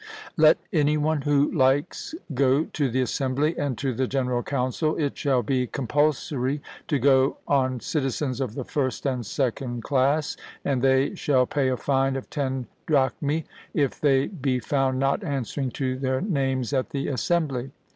Let any one who likes go to the assembly and to the general council; it shall be compulsory to go on citizens of the first and second class, and they shall pay a fine of ten drachmae if they be found not answering to their names at the assembly.